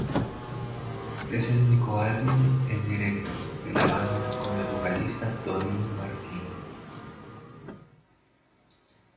Es el único álbum en directo de la banda con el vocalista Tony Martin.